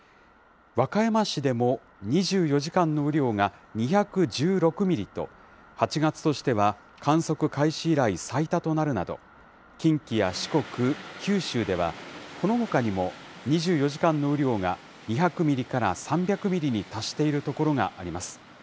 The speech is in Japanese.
和歌山市でも２４時間の雨量が２１６ミリと、８月としては観測開始以来最多となるなど、近畿や四国、九州では、このほかにも２４時間の雨量が２００ミリから３００ミリに達している所があります。